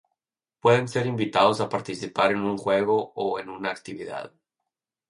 Pueden ser invitados a participar en un juego o en una actividad.